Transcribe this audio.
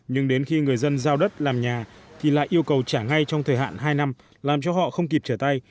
nhưng đến khi người dân giao đất làm nhà thì lại yêu cầu trả ngay trong thời hạn hai năm làm cho họ không kịp trở tay